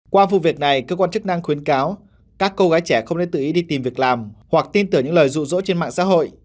qua vụ việc này cơ quan chức năng khuyến cáo các cô gái trẻ không nên tự ý đi tìm việc làm hoặc tin tưởng những lời rụ rỗ trên mạng xã hội